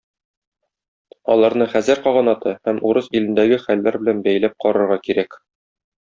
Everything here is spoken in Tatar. Аларны Хәзәр каганаты һәм Урыс илендәге хәлләр белән бәйләп карарга кирәк.